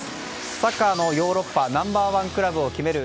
サッカーのヨーロッパナンバー１クラブを決める